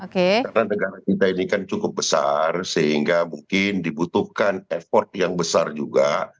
karena negara kita ini kan cukup besar sehingga mungkin dibutuhkan effort yang besar juga